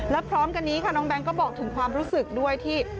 แล้วพร้อมกันนี้ค่ะน้องแก๊งก็บอกถึงความรู้สึกด้วยที่